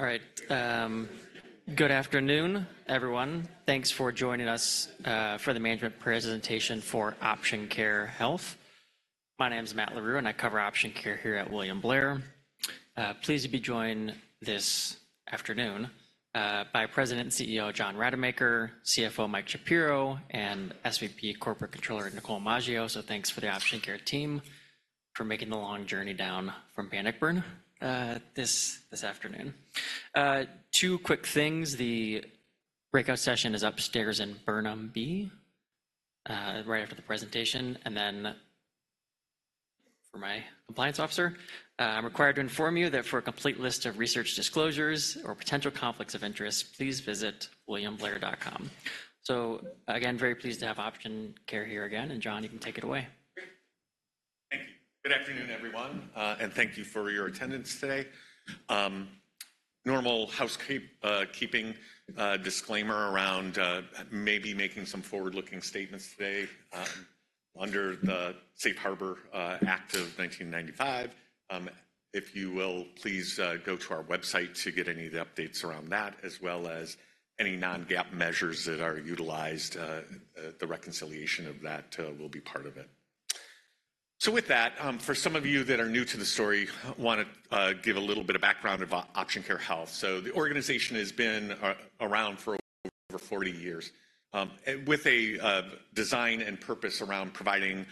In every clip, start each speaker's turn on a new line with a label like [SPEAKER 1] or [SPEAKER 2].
[SPEAKER 1] All right. Good afternoon, everyone. Thanks for joining us for the management presentation for Option Care Health. My name is Matt Larew, and I cover Option Care here at William Blair. Pleased to be joined this afternoon by President and CEO, John Rademacher, CFO, Mike Shapiro, and SVP Corporate Controller, Nicole Maggio. So thanks for the Option Care team for making the long journey down from Bannockburn this afternoon. Two quick things: the breakout session is upstairs in Burnham B right after the presentation. And then for my compliance officer, I'm required to inform you that for a complete list of research disclosures or potential conflicts of interest, please visit williamblair.com. So again, very pleased to have Option Care here again, and John, you can take it away.
[SPEAKER 2] Great. Thank you. Good afternoon, everyone, and thank you for your attendance today. Normal housekeeping disclaimer around maybe making some forward-looking statements today, under the Safe Harbor Act of 1995. If you will, please go to our website to get any of the updates around that, as well as any non-GAAP measures that are utilized, the reconciliation of that will be part of it. So with that, for some of you that are new to the story, I wanna give a little bit of background about Option Care Health. So the organization has been around for over 40 years, with a design and purpose around providing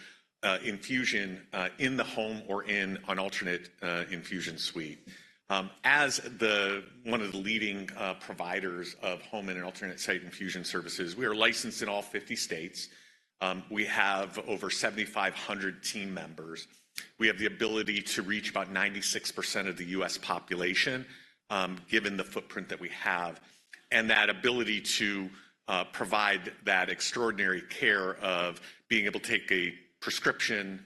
[SPEAKER 2] infusion in the home or in an alternate infusion suite. As the one of the leading providers of home and alternate site infusion services, we are licensed in all 50 states. We have over 7,500 team members. We have the ability to reach about 96% of the U.S. population, given the footprint that we have, and that ability to provide that extraordinary care of being able to take a prescription,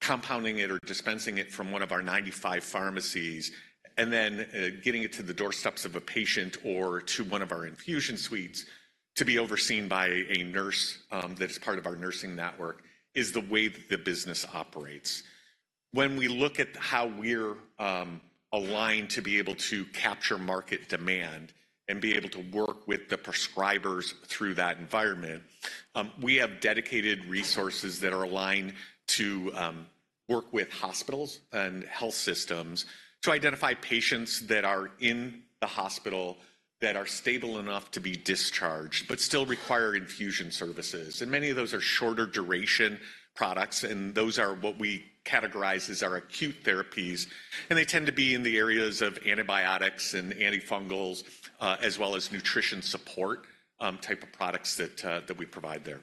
[SPEAKER 2] compounding it or dispensing it from one of our 95 pharmacies, and then getting it to the doorsteps of a patient or to one of our infusion suites to be overseen by a nurse that is part of our nursing network, is the way that the business operates. When we look at how we're aligned to be able to capture market demand and be able to work with the prescribers through that environment, we have dedicated resources that are aligned to work with hospitals and health systems to identify patients that are in the hospital, that are stable enough to be discharged, but still require infusion services. And many of those are shorter duration products, and those are what we categorize as our acute therapies, and they tend to be in the areas of antibiotics and antifungals, as well as nutrition support, type of products that we provide there.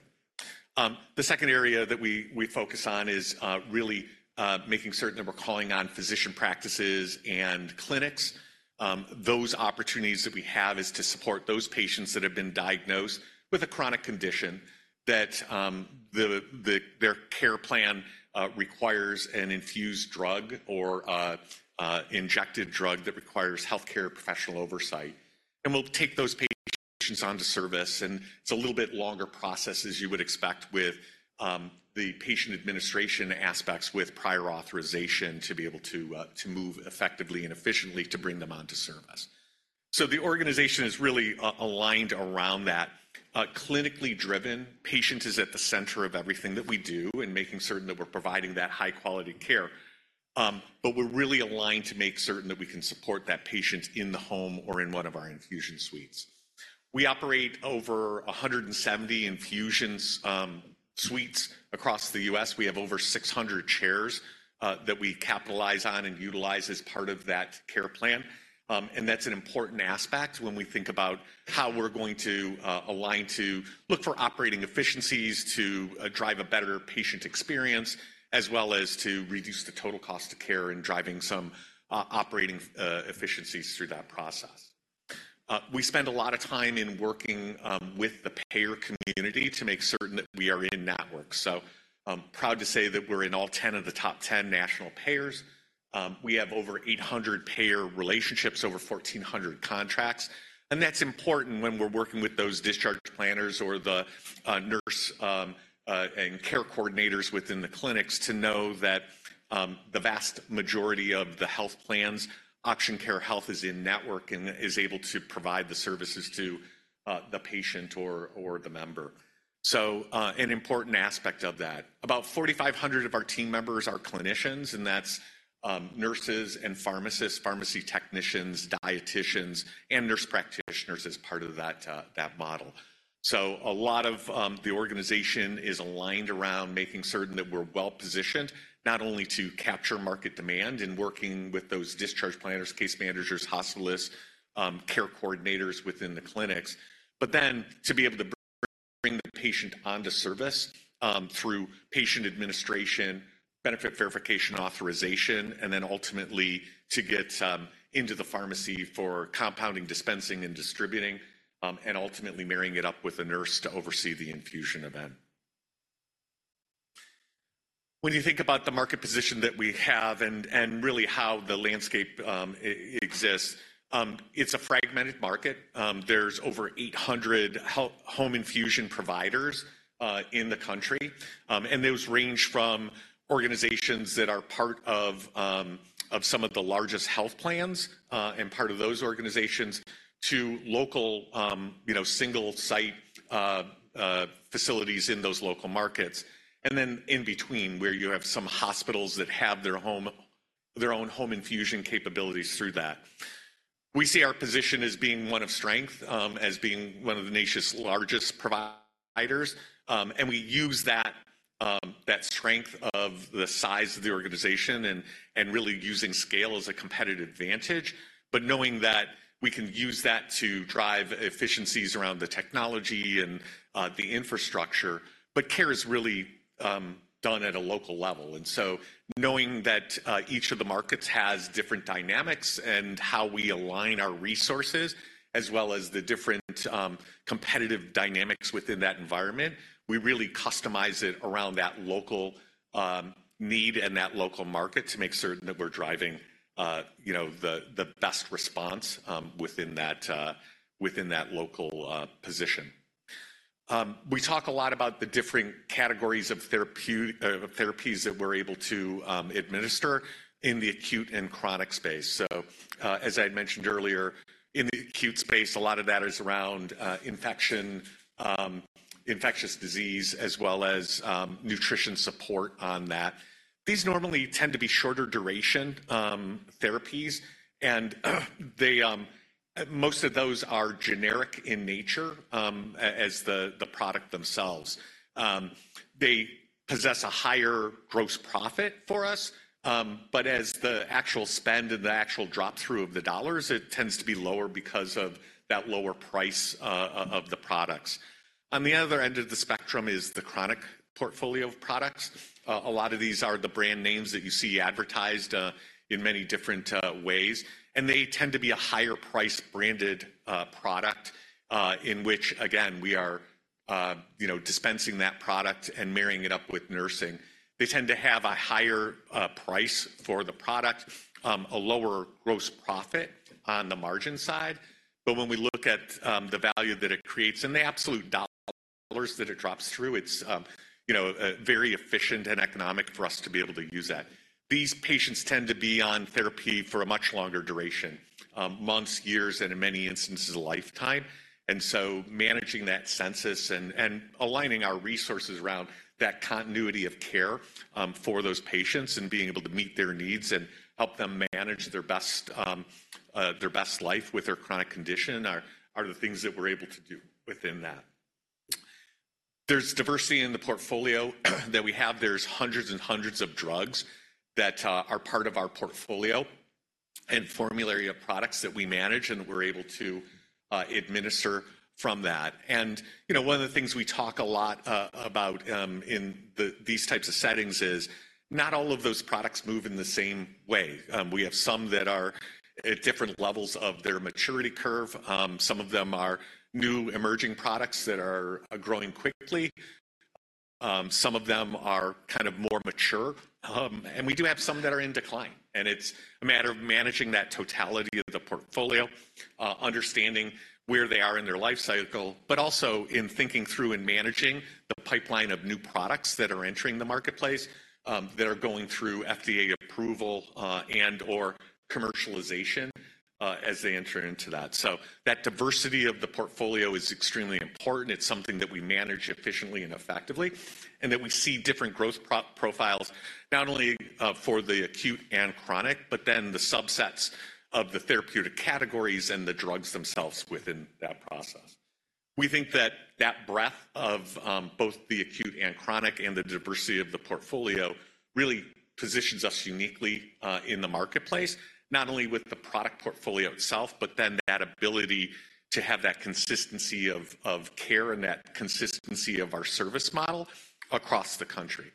[SPEAKER 2] The second area that we focus on is really making certain that we're calling on physician practices and clinics. Those opportunities that we have is to support those patients that have been diagnosed with a chronic condition, that their care plan requires an infused drug or an injected drug that requires healthcare professional oversight. And we'll take those patients onto service, and it's a little bit longer process, as you would expect with the patient administration aspects, with prior authorization to be able to move effectively and efficiently to bring them onto service. So the organization is really aligned around that. Clinically driven patient is at the center of everything that we do and making certain that we're providing that high-quality care. But we're really aligned to make certain that we can support that patient in the home or in one of our infusion suites. We operate over 170 infusion suites across the U.S. We have over 600 chairs that we capitalize on and utilize as part of that care plan. That's an important aspect when we think about how we're going to align to look for operating efficiencies, to drive a better patient experience, as well as to reduce the total cost of care and driving some operating efficiencies through that process. We spend a lot of time in working with the payer community to make certain that we are in network. So I'm proud to say that we're in all 10 of the top 10 national payers. We have over 800 payer relationships, over 1,400 contracts, and that's important when we're working with those discharge planners or the nurse and care coordinators within the clinics to know that the vast majority of the health plans, Option Care Health is in network and is able to provide the services to the patient or the member. So, an important aspect of that, about 4,500 of our team members are clinicians, and that's nurses and pharmacists, pharmacy technicians, dietitians, and nurse practitioners as part of that model. So a lot of the organization is aligned around making certain that we're well-positioned not only to capture market demand in working with those discharge planners, case managers, hospitalists, care coordinators within the clinics, but then to be able to bring the patient onto service through patient administration, benefit verification, authorization, and then ultimately to get into the pharmacy for compounding, dispensing, and distributing, and ultimately marrying it up with a nurse to oversee the infusion event. When you think about the market position that we have and really how the landscape exists, it's a fragmented market. There's over 800 home infusion providers in the country. Those range from organizations that are part of, of some of the largest health plans, and part of those organizations, to local, you know, single-site facilities in those local markets. Then in between, where you have some hospitals that have their home—their own home infusion capabilities through that. We see our position as being one of strength, as being one of the nation's largest providers. And we use that, that strength of the size of the organization and, and really using scale as a competitive advantage, but knowing that we can use that to drive efficiencies around the technology and, the infrastructure. But care is really done at a local level. And so knowing that, each of the markets has different dynamics and how we align our resources, as well as the different, competitive dynamics within that environment, we really customize it around that local, need and that local market to make certain that we're driving, you know, the best response, within that, within that local, position. We talk a lot about the different categories of therapies that we're able to administer in the acute and chronic space. So, as I had mentioned earlier, in the acute space, a lot of that is around infection, infectious disease, as well as, nutrition support on that. These normally tend to be shorter duration therapies, and they. Most of those are generic in nature, as the products themselves. They possess a higher gross profit for us, but as the actual spend and the actual drop-through of the dollars, it tends to be lower because of that lower price of the products. On the other end of the spectrum is the chronic portfolio of products. A lot of these are the brand names that you see advertised in many different ways, and they tend to be a higher price branded product, in which, again, we are, you know, dispensing that product and marrying it up with nursing. They tend to have a higher price for the product, a lower gross profit on the margin side. But when we look at the value that it creates and the absolute dollars that it drops through, it's, you know, very efficient and economic for us to be able to use that. These patients tend to be on therapy for a much longer duration, months, years, and in many instances, a lifetime. And so managing that census and aligning our resources around that continuity of care for those patients and being able to meet their needs and help them manage their best life with their chronic condition are the things that we're able to do within that. There's diversity in the portfolio that we have. There's hundreds and hundreds of drugs that are part of our portfolio and formulary of products that we manage, and we're able to administer from that. You know, one of the things we talk a lot about in these types of settings is not all of those products move in the same way. We have some that are at different levels of their maturity curve. Some of them are new, emerging products that are growing quickly. Some of them are kind of more mature, and we do have some that are in decline. It's a matter of managing that totality of the portfolio, understanding where they are in their life cycle, but also in thinking through and managing the pipeline of new products that are entering the marketplace, that are going through FDA approval, and/or commercialization, as they enter into that. That diversity of the portfolio is extremely important. It's something that we manage efficiently and effectively, and that we see different growth profiles, not only for the acute and chronic, but then the subsets of the therapeutic categories and the drugs themselves within that process. We think that that breadth of both the acute and chronic and the diversity of the portfolio really positions us uniquely in the marketplace, not only with the product portfolio itself, but then that ability to have that consistency of care and that consistency of our service model across the country.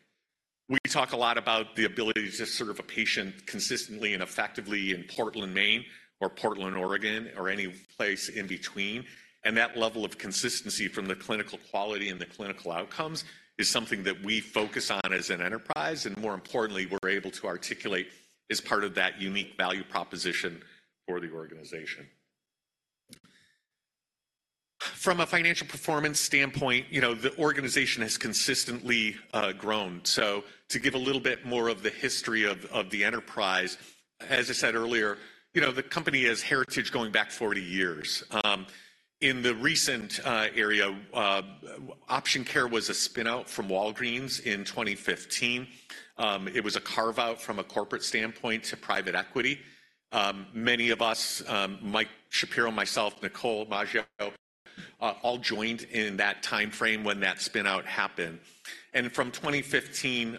[SPEAKER 2] We talk a lot about the ability to serve a patient consistently and effectively in Portland, Maine, or Portland, Oregon, or any place in between. That level of consistency from the clinical quality and the clinical outcomes is something that we focus on as an enterprise, and more importantly, we're able to articulate as part of that unique value proposition for the organization. From a financial performance standpoint, you know, the organization has consistently grown. To give a little bit more of the history of the enterprise, as I said earlier, you know, the company has heritage going back 40 years. In the recent era, Option Care was a spin-out from Walgreens in 2015. It was a carve-out from a corporate standpoint to private equity. Many of us, Mike Shapiro, myself, Nicole Maggio, all joined in that timeframe when that spin-out happened. And from 2015,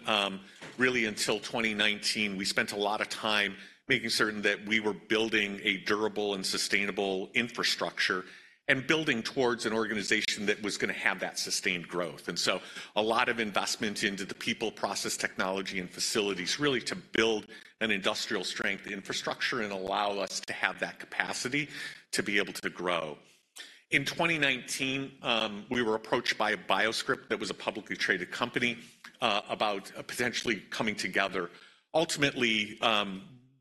[SPEAKER 2] really until 2019, we spent a lot of time making certain that we were building a durable and sustainable infrastructure and building towards an organization that was gonna have that sustained growth. And so a lot of investment into the people, process, technology, and facilities, really to build an industrial strength infrastructure and allow us to have that capacity to be able to grow. In 2019, we were approached by a BioScrip that was a publicly traded company, about, potentially coming together. Ultimately,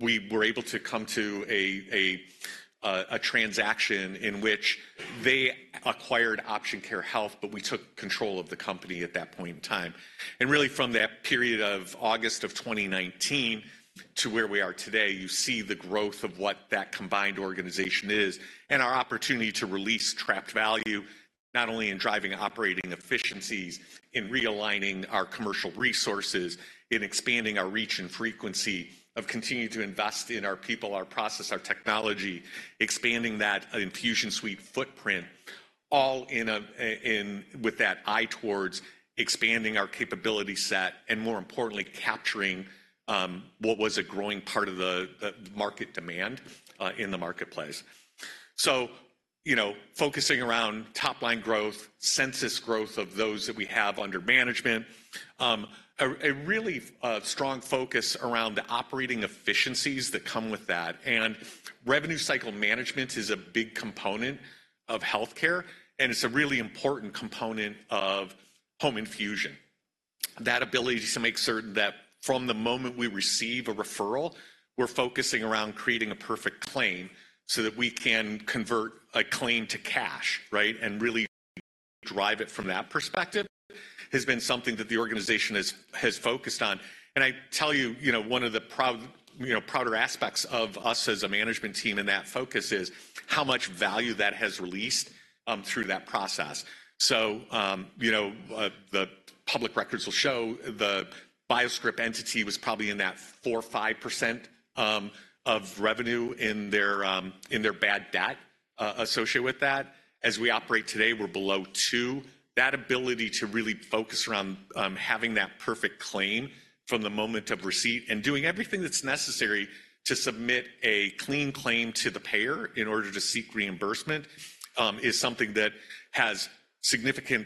[SPEAKER 2] we were able to come to a, a, a transaction in which they acquired Option Care Health, but we took control of the company at that point in time. Really, from that period of August of 2019 to where we are today, you see the growth of what that combined organization is and our opportunity to release trapped value, not only in driving operating efficiencies, in realigning our commercial resources, in expanding our reach and frequency, of continuing to invest in our people, our process, our technology, expanding that infusion suite footprint, all in a, with that eye towards expanding our capability set and, more importantly, capturing what was a growing part of the market demand in the marketplace. So, you know, focusing around top-line growth, census growth of those that we have under management, a really strong focus around the operating efficiencies that come with that. Revenue cycle management is a big component of healthcare, and it's a really important component of home infusion. That ability to make certain that from the moment we receive a referral, we're focusing around creating a perfect claim so that we can convert a claim to cash, right? And really drive it from that perspective has been something that the organization has focused on. And I tell you, you know, one of the proud, you know, prouder aspects of us as a management team and that focus is how much value that has released through that process. So, you know, the public records will show the BioScrip entity was probably in that 4%-5% of revenue in their bad debt associated with that. As we operate today, we're below 2%. That ability to really focus around, having that perfect claim from the moment of receipt and doing everything that's necessary to submit a clean claim to the payer in order to seek reimbursement, is something that has significant,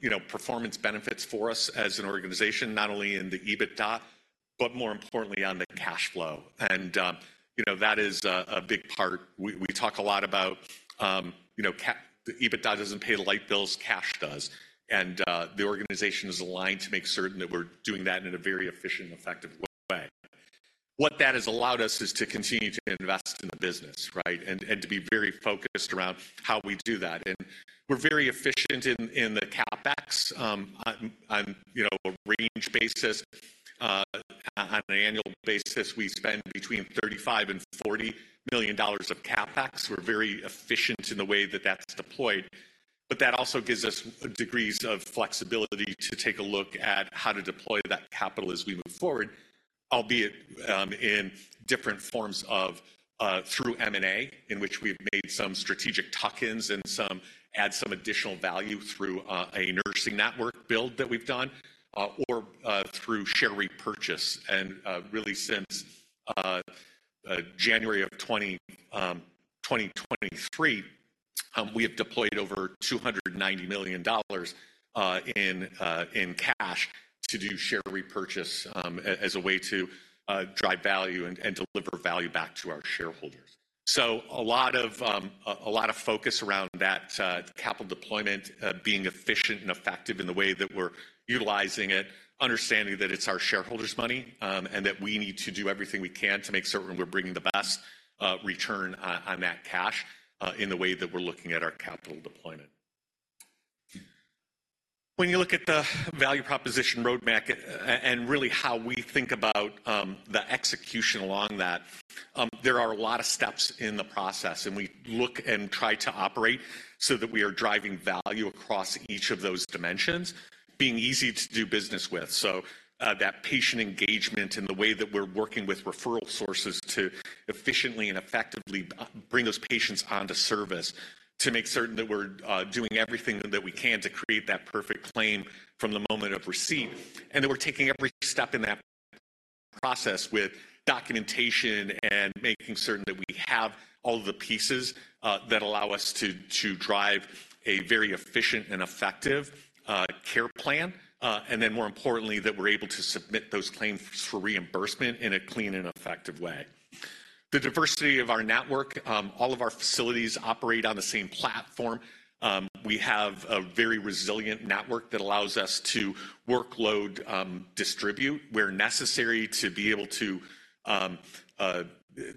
[SPEAKER 2] you know, performance benefits for us as an organization, not only in the EBITDA, but more importantly, on the cash flow. You know, that is a big part. We talk a lot about, you know, the EBITDA doesn't pay the light bills, cash does. The organization is aligned to make certain that we're doing that in a very efficient and effective way. What that has allowed us is to continue to invest in the business, right? And to be very focused around how we do that. And we're very efficient in the CapEx. On you know, a range basis, on an annual basis, we spend between $35 million-$40 million of CapEx. We're very efficient in the way that that's deployed, but that also gives us degrees of flexibility to take a look at how to deploy that capital as we move forward, albeit in different forms of through M&A, in which we've made some strategic tuck-ins and some add some additional value through a nursing network build that we've done or through share repurchase. And really, since January of 2023, we have deployed over $290 million in cash to do share repurchase as a way to drive value and deliver value back to our shareholders. So a lot of, a lot of focus around that, capital deployment, being efficient and effective in the way that we're utilizing it, understanding that it's our shareholders' money, and that we need to do everything we can to make certain we're bringing the best, return on, on that cash, in the way that we're looking at our capital deployment. When you look at the value proposition roadmap and really how we think about, the execution along that, there are a lot of steps in the process, and we look and try to operate so that we are driving value across each of those dimensions, being easy to do business with. So, that patient engagement and the way that we're working with referral sources to efficiently and effectively bring those patients onto service, to make certain that we're doing everything that we can to create that perfect claim from the moment of receipt. And that we're taking every step in that process with documentation and making certain that we have all the pieces that allow us to drive a very efficient and effective care plan, and then, more importantly, that we're able to submit those claims for reimbursement in a clean and effective way. The diversity of our network, all of our facilities operate on the same platform. We have a very resilient network that allows us to workload distribute where necessary to be able to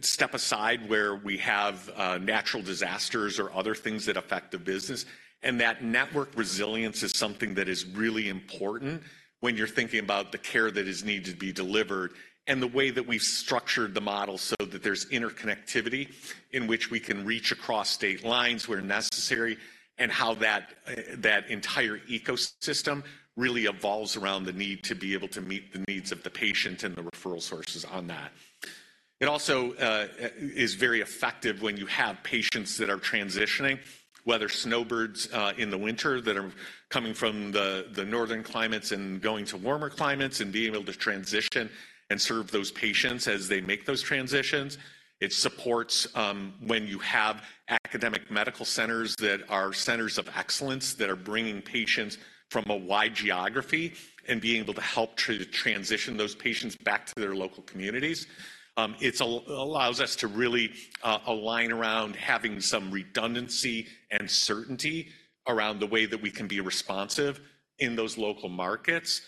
[SPEAKER 2] step aside where we have natural disasters or other things that affect the business. And that network resilience is something that is really important when you're thinking about the care that is needed to be delivered and the way that we've structured the model so that there's interconnectivity in which we can reach across state lines where necessary, and how that entire ecosystem really evolves around the need to be able to meet the needs of the patient and the referral sources on that. It also is very effective when you have patients that are transitioning, whether snowbirds in the winter that are coming from the northern climates and going to warmer climates, and being able to transition and serve those patients as they make those transitions. It supports when you have academic medical centers that are centers of excellence that are bringing patients from a wide geography and being able to help transition those patients back to their local communities. It allows us to really align around having some redundancy and certainty around the way that we can be responsive in those local markets,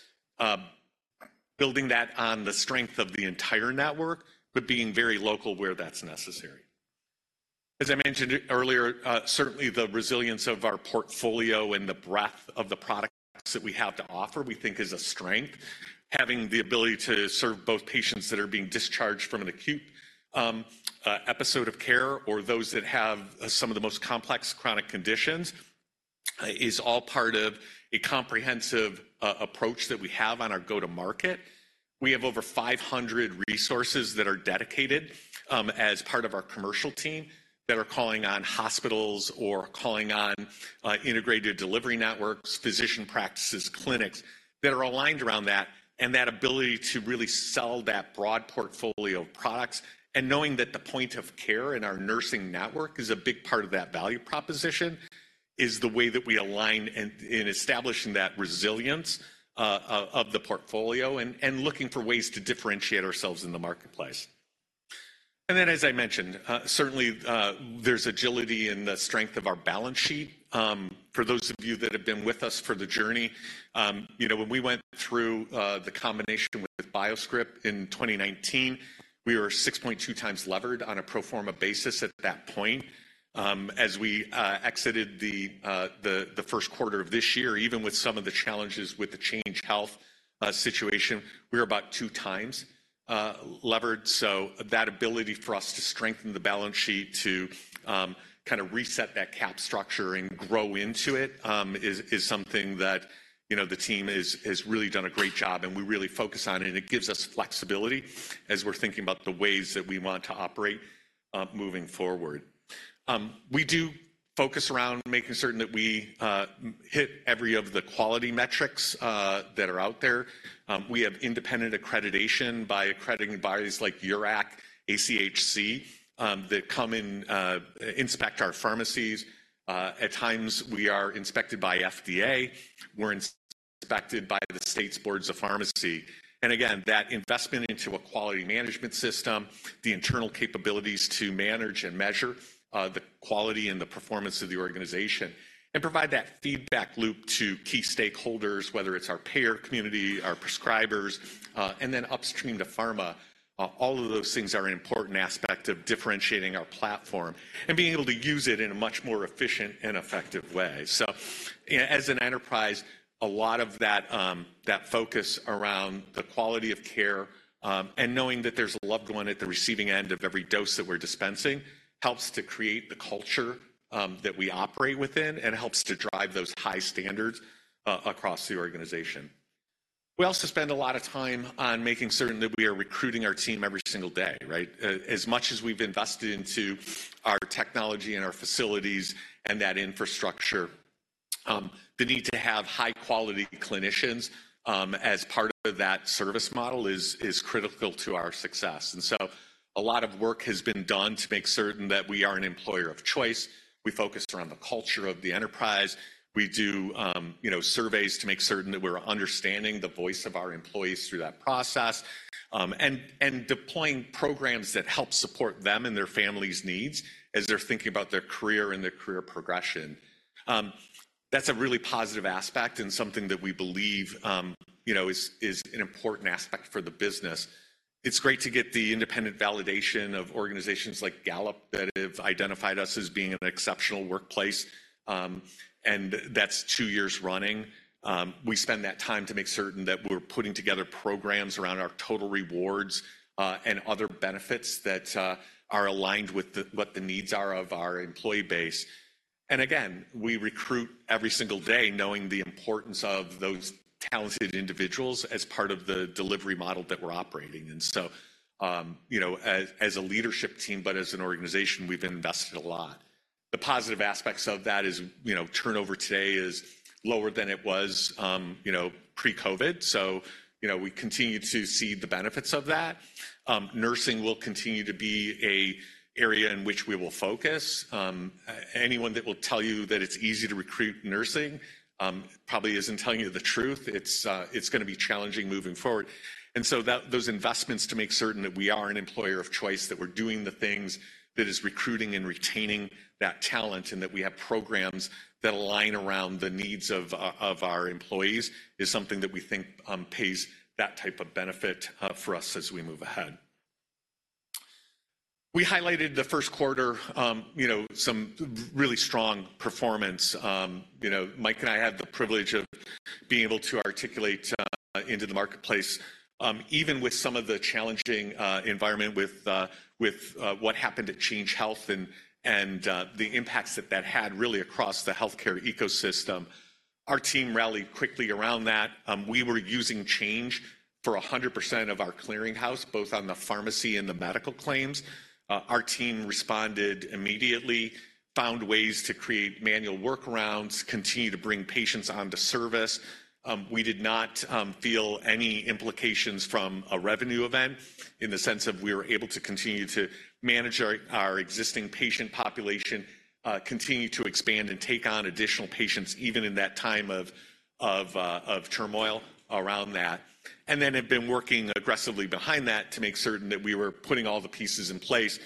[SPEAKER 2] building that on the strength of the entire network, but being very local where that's necessary. As I mentioned earlier, certainly the resilience of our portfolio and the breadth of the products that we have to offer, we think is a strength. Having the ability to serve both patients that are being discharged from an acute episode of care, or those that have some of the most complex chronic conditions, is all part of a comprehensive approach that we have on our go-to-market. We have over 500 resources that are dedicated as part of our commercial team, that are calling on hospitals or calling on integrated delivery networks, physician practices, clinics, that are aligned around that. And that ability to really sell that broad portfolio of products and knowing that the point of care in our nursing network is a big part of that value proposition, is the way that we align in establishing that resilience of the portfolio, and looking for ways to differentiate ourselves in the marketplace. And then, as I mentioned, certainly, there's agility in the strength of our balance sheet. For those of you that have been with us for the journey, you know, when we went through the combination with BioScrip in 2019, we were 6.2 times levered on a pro forma basis at that point. As we exited the first quarter of this year, even with some of the challenges with the Change Healthcare situation, we were about two times levered. So that ability for us to strengthen the balance sheet, to kind of reset that cap structure and grow into it, is something that, you know, the team has really done a great job, and we really focus on, and it gives us flexibility as we're thinking about the ways that we want to operate, moving forward. We do focus around making certain that we hit every of the quality metrics that are out there. We have independent accreditation by accrediting bodies like URAC, ACHC that come in inspect our pharmacies. At times, we are inspected by FDA. We're inspected by the state's boards of pharmacy. And again, that investment into a quality management system, the internal capabilities to manage and measure, the quality and the performance of the organization, and provide that feedback loop to key stakeholders, whether it's our payer community, our prescribers, and then upstream to pharma. All of those things are an important aspect of differentiating our platform and being able to use it in a much more efficient and effective way. So, yeah, as an enterprise, a lot of that, that focus around the quality of care, and knowing that there's a loved one at the receiving end of every dose that we're dispensing, helps to create the culture, that we operate within and helps to drive those high standards across the organization. We also spend a lot of time on making certain that we are recruiting our team every single day, right? As much as we've invested into our technology and our facilities and that infrastructure, the need to have high-quality clinicians, as part of that service model is, is critical to our success. And so a lot of work has been done to make certain that we are an employer of choice. We focus around the culture of the enterprise. We do, you know, surveys to make certain that we're understanding the voice of our employees through that process, and, and deploying programs that help support them and their families' needs as they're thinking about their career and their career progression. That's a really positive aspect and something that we believe, you know, is, is an important aspect for the business. It's great to get the independent validation of organizations like Gallup that have identified us as being an exceptional workplace, and that's two years running. We spend that time to make certain that we're putting together programs around our total rewards, and other benefits that are aligned with what the needs are of our employee base. And again, we recruit every single day knowing the importance of those talented individuals as part of the delivery model that we're operating. And so, you know, as a leadership team, but as an organization, we've invested a lot. The positive aspects of that is, you know, turnover today is lower than it was, you know, pre-COVID. So, you know, we continue to see the benefits of that. Nursing will continue to be a area in which we will focus. Anyone that will tell you that it's easy to recruit nursing probably isn't telling you the truth. It's, it's gonna be challenging moving forward. Those investments to make certain that we are an employer of choice, that we're doing the things that is recruiting and retaining that talent, and that we have programs that align around the needs of our, of our employees, is something that we think pays that type of benefit for us as we move ahead. We highlighted the first quarter, you know, some really strong performance. You know, Mike and I had the privilege of being able to articulate into the marketplace, even with some of the challenging environment with what happened at Change Healthcare and the impacts that that had really across the healthcare ecosystem. Our team rallied quickly around that. We were using Change for 100% of our clearinghouse, both on the pharmacy and the medical claims. Our team responded immediately, found ways to create manual workarounds, continue to bring patients onto service. We did not feel any implications from a revenue event in the sense of we were able to continue to manage our existing patient population, continue to expand and take on additional patients, even in that time of turmoil around that and then have been working aggressively behind that to make certain that we were putting all the pieces in place,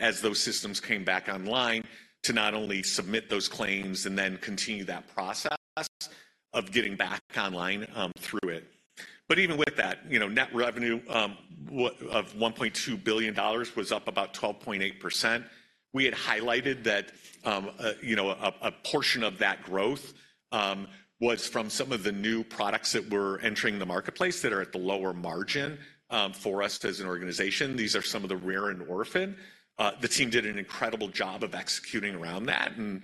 [SPEAKER 2] as those systems came back online, to not only submit those claims and then continue that process of getting back online, through it. But even with that, you know, net revenue of $1.2 billion was up about 12.8%. We had highlighted that, you know, a portion of that growth was from some of the new products that were entering the marketplace that are at the lower margin for us as an organization. These are some of the rare and orphan. The team did an incredible job of executing around that and,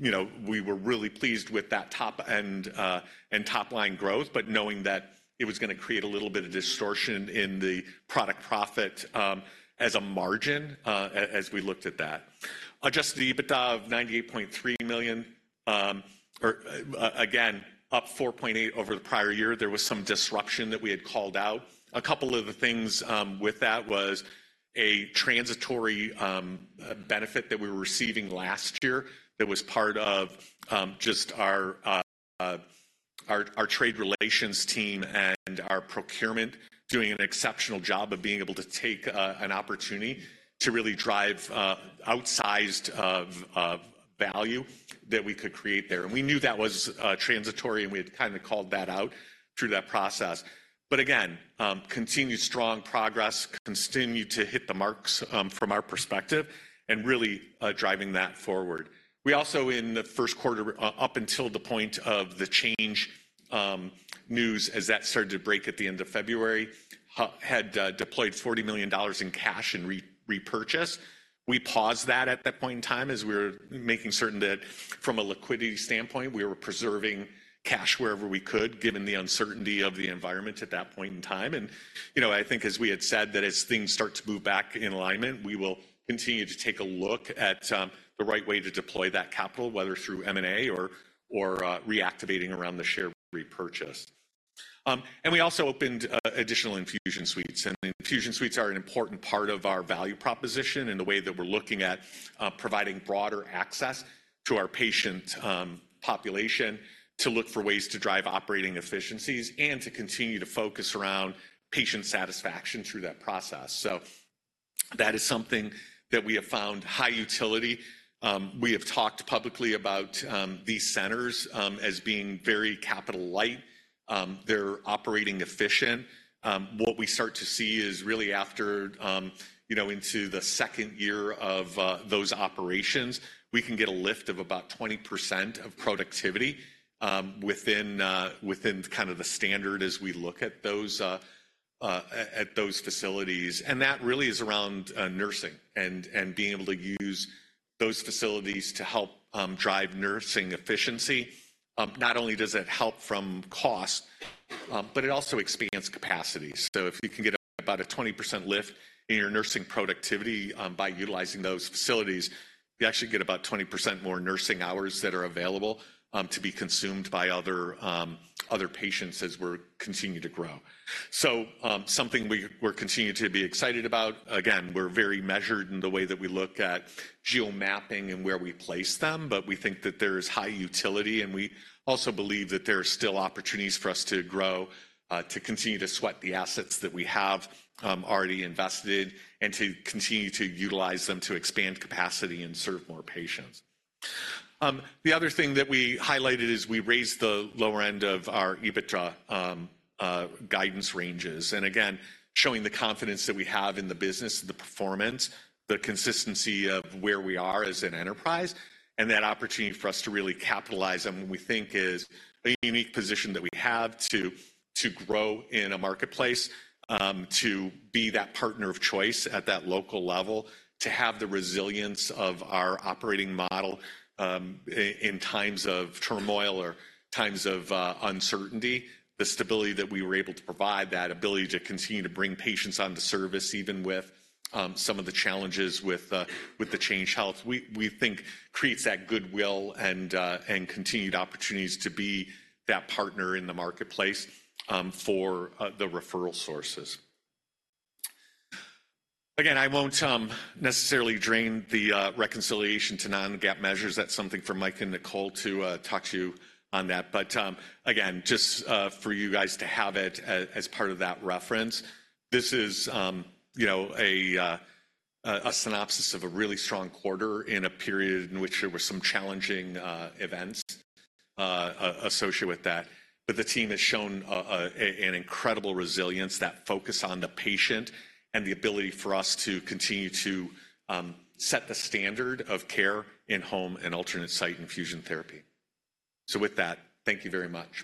[SPEAKER 2] you know, we were really pleased with that top end and top-line growth, but knowing that it was gonna create a little bit of distortion in the product profit as a margin as we looked at that. Adjusted EBITDA of $98.3 million, again, up 4.8% over the prior year. There was some disruption that we had called out. A couple of the things with that was a transitory benefit that we were receiving last year that was part of just our our trade relations team and our procurement doing an exceptional job of being able to take an opportunity to really drive outsized of of value that we could create there. And we knew that was transitory, and we had kinda called that out through that process. But again, continued strong progress, continued to hit the marks from our perspective, and really driving that forward. We also, in the first quarter, up until the point of the Change news, as that started to break at the end of February, had deployed $40 million in cash and repurchase. We paused that at that point in time as we were making certain that from a liquidity standpoint, we were preserving cash wherever we could, given the uncertainty of the environment at that point in time. And, you know, I think as we had said, that as things start to move back in alignment, we will continue to take a look at the right way to deploy that capital, whether through M&A or reactivating around the share repurchase. And we also opened additional infusion suites, and infusion suites are an important part of our value proposition and the way that we're looking at providing broader access to our patient population, to look for ways to drive operating efficiencies and to continue to focus around patient satisfaction through that process. So that is something that we have found high utility. We have talked publicly about these centers as being very capital light. They're operating efficient. What we start to see is really after, you know, into the second year of those operations, we can get a lift of about 20% of productivity within kind of the standard as we look at those facilities. And that really is around nursing and being able to use those facilities to help drive nursing efficiency. Not only does it help from cost, but it also expands capacity. So if you can get about a 20% lift in your nursing productivity by utilizing those facilities, you actually get about 20% more nursing hours that are available to be consumed by other patients as we're continuing to grow. So, something we're continuing to be excited about. Again, we're very measured in the way that we look at geo-mapping and where we place them, but we think that there is high utility, and we also believe that there are still opportunities for us to grow, to continue to sweat the assets that we have, already invested, and to continue to utilize them to expand capacity and serve more patients. The other thing that we highlighted is we raised the lower end of our EBITDA guidance ranges, and again, showing the confidence that we have in the business, the performance, the consistency of where we are as an enterprise, and that opportunity for us to really capitalize on what we think is a unique position that we have to grow in a marketplace, to be that partner of choice at that local level, to have the resilience of our operating model, in times of turmoil or times of uncertainty. The stability that we were able to provide, that ability to continue to bring patients on the service, even with some of the challenges with the Change Healthcare, we think creates that goodwill and continued opportunities to be that partner in the marketplace, for the referral sources. Again, I won't necessarily dive into the reconciliation to non-GAAP measures. That's something for Mike and Nicole to talk to you on that. But, again, just for you guys to have it as part of that reference, this is, you know, a synopsis of a really strong quarter in a period in which there were some challenging events associated with that. But the team has shown an incredible resilience, that focus on the patient and the ability for us to continue to set the standard of care in home and alternate site infusion therapy. So with that, thank you very much.